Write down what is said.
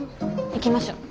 行きましょう。